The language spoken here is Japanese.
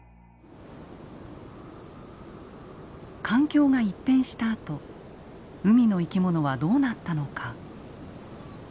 環境が一変したあと海の生き物はどうなったのか。